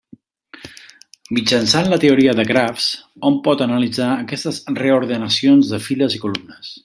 Mitjançant la teoria de grafs, hom pot analitzar aquestes reordenacions de files i columnes.